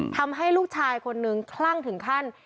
ทำให้ลูกชายคนนึงคลั่งถึงขั้น